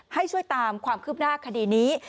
ให้ช่วยตามความคืบหน้าคดีนี้